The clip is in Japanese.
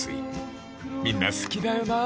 ［みんな好きだよなあ］